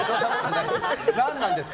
何なんですか？